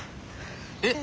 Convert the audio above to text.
えっ？